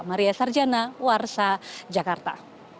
maria sarjana warsa jakarta